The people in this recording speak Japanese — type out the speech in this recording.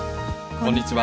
こんにちは。